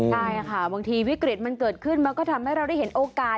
ใช่ค่ะบางทีวิกฤตมันเกิดขึ้นมันก็ทำให้เราได้เห็นโอกาส